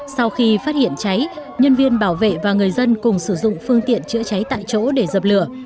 sau khi phát hiện cháy nhân viên bảo vệ và người dân cùng sử dụng phương tiện chữa cháy tại chỗ để dập lửa